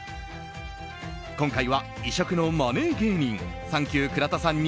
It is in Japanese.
今回は異色のマネー芸人さん